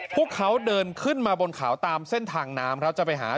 พวกเขาเดินขึ้นมาบนเขาตามเส้นทางน้ำครับจะไปหา